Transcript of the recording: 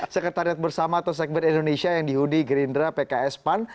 sekretariat bersama atau sekber indonesia yang dihudi gerindra pks pan